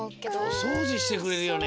おそうじしてくれるよね